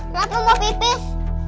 kenapa mau pipis